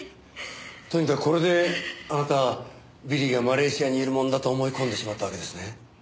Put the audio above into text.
とにかくこれであなたビリーがマレーシアにいるもんだと思い込んでしまったわけですね。